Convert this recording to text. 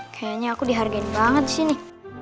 kayaknya aku dihargai banget disini